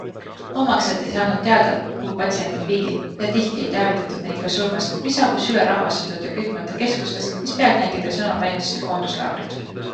Omaksed ei saanud teada, kuhu patsiendid viidi ja tihti ei teavitatud neid ka surmast, mis saabus ülerahvastatud ja kütmata keskustes, mis pealtnägijate sõnul meenutasid koonduslaagrit.